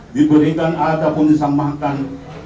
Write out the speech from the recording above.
diberikan ataupun disamakan